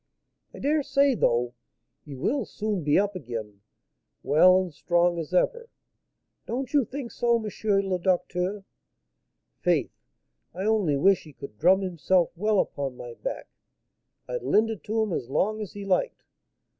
I dare say, though, he will soon be up again, well and strong as ever. Don't you think so, M. le Docteur? Faith, I only wish he could drum himself well upon my back; I'd lend it him as long as he liked.